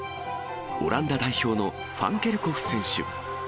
オランダ代表のファンケルコフ選手。